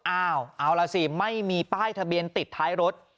เอาล่ะสิไม่มีป้ายทะเบียนติดท้ายรถ